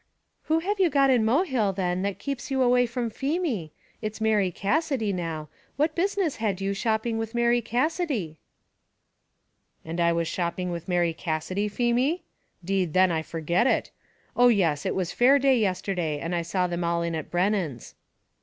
"Who have you got in Mohill then that keeps you away from Feemy? It's Mary Cassidy now; what business had you shopping with Mary Cassidy?" "And was I shopping with Mary Cassidy, Feemy? 'deed then I forget it. Oh yes, it was fair day yesterday, and I saw them all in at Brennan's."